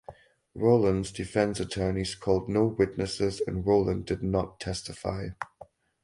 Rowland’s defense attorneys called no witnesses and Rowland did not testify.